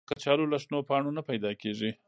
کچالو له شنو پاڼو نه پیدا کېږي